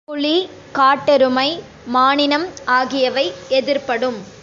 புலி, காட்டெருமை, மானினம் ஆகியவை எதிர்ப்படும்.